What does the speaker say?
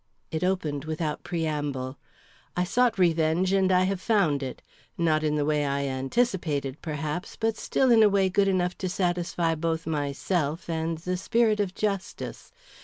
It opened without preamble: I sought revenge and I have found it. Not in the way I anticipated, perhaps, but still in a way good enough to satisfy both myself and the spirit of justice.